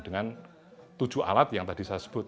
dengan tujuh alat yang tadi saya sebut